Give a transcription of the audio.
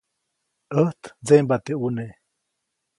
ʼÄjt ndseʼmbaʼt teʼ ʼuneʼ.